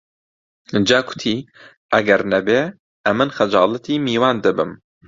جا کوتی: ئەگەر نەبێ ئەمن خەجاڵەتی میوان دەبم